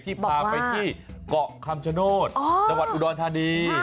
ที่พาไปที่เกาะคำชโนธนวัติอุดรธานี